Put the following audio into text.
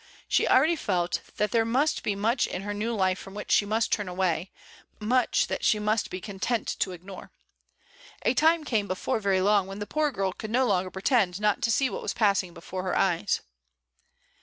She already felt that there must be much in her new life from which she must turn away, much that she must be content to ignore. A time came before very long 'when the poor girl could no longer pretend not to see what was passing before her eyes.